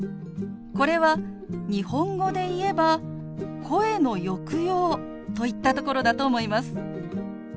これは日本語でいえば声の抑揚といったところだと思います。